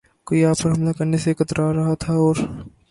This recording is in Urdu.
کوئی آپ پر حملہ کرنے سے کترا رہا تھا اور